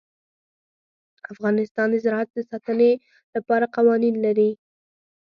افغانستان د زراعت د ساتنې لپاره قوانین لري.